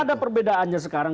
ada perbedaannya sekarang